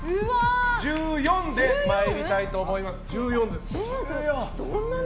１４で参りたいと思います。